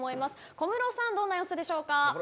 小室さんどんな様子でしょうか。